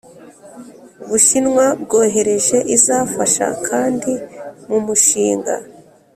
Bushinwa bwohereje izafasha kandi mu mushinga